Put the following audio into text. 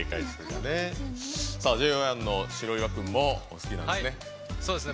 ＪＯ１の白岩君もお好きなんですよね。